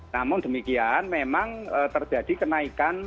namun demikian memang terjadi kenaikan